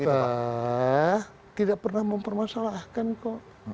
kita tidak pernah mempermasalahkan kok